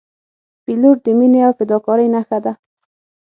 پیلوټ د مینې او فداکارۍ نښه ده.